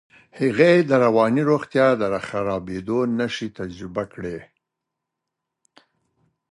هغې د رواني روغتیا د خرابېدو نښې تجربه کړې.